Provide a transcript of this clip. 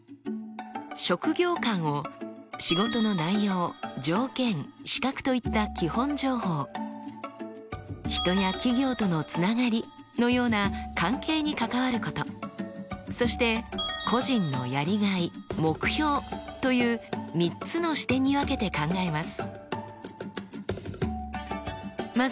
職業観を仕事の内容・条件・資格といった基本情報人や企業とのつながりのような関係に関わることそして個人のやりがい・目標という３つの視点に分けて考えます。